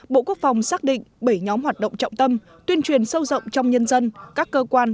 bộ quốc phòng xác định bảy nhóm hoạt động trọng tâm tuyên truyền sâu rộng trong nhân dân các cơ quan